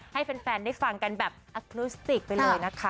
ให้แฟนได้ฟังกันแบบอคนุสติกไปเลยนะคะ